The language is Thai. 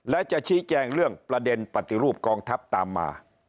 และจะชี้แจงเรื่องประเด็นปฏิรูปกองทัพตามมา